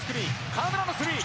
河村のスリー。